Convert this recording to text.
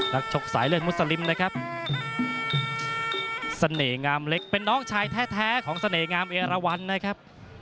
ชกสายเลือดมุสลิมนะครับเสน่หงามเล็กเป็นน้องชายแท้ของเสน่หงามเอราวันนะครับ